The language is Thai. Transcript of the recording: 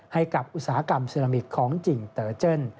อุตสาหกรรมเซรามิกของจริงเตอร์เจิ้น